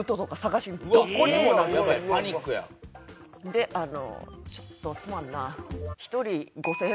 で「ちょっとすまんな」。